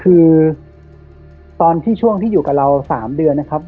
คือตอนที่ช่วงที่อยู่กับเรา๓เดือนนะครับ